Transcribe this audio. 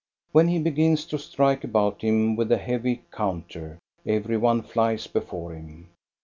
When he begins to strike about him with the heavy counter, every one flies before him.